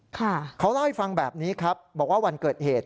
เขาเล่าให้ฟังแบบนี้ครับบอกว่าวันเกิดเหตุ